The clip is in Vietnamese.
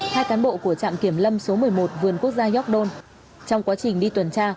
hai cán bộ của trạm kiểm lâm số một mươi một vườn quốc gia york don trong quá trình đi tuần tra